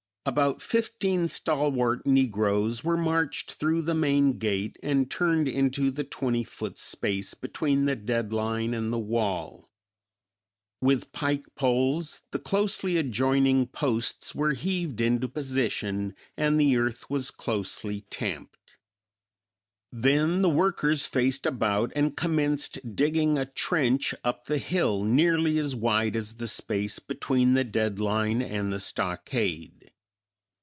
About fifteen stalwart negroes were marched through the main gate and turned into the twenty foot space between the dead line and the wall. With pike poles the closely adjoining posts were heaved into position and the earth was closely tamped. Then the workers faced about and commenced digging a trench up the hill nearly as wide as the space between the dead line and the stockade.